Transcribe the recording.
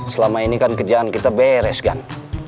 selama ini kan kerjaan kita beres kan